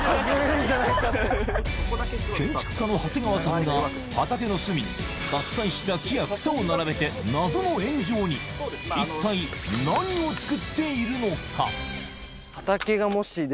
建築家の長谷川さんが畑の隅に伐採した木や草を並べて謎の円状に一体考えてるんですか？